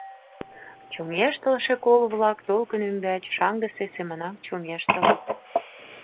Чоҥештылше кол-влак толкын ӱмбач шаҥгысе семынак чоҥештылыт.